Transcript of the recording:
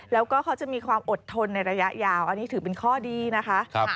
แล้วก็เขาจะมีความอดทนในระยะยาวอันนี้ถือเป็นข้อดีนะคะ